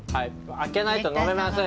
開けないと呑めませんよ。